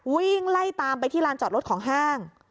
วิ่งไล่ตามไปที่ลานจอดรถของห้าง